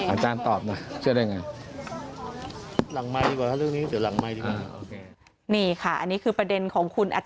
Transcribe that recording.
อาจารย์ตอบนะเชื่อได้ไง